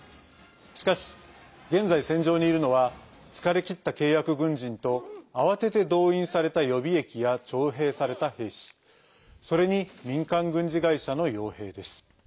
しかし、現在戦場にいるのは疲れきった契約軍人と慌てて動員された予備役や徴兵された兵士それに民間軍事会社のよう兵です。